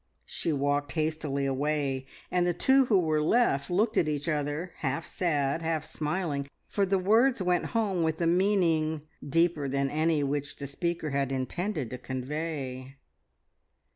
She walked hastily away, and the two who were left looked at each other, half sad, half smiling, for the words went home with a meaning deeper than any which the speaker had intended to convey.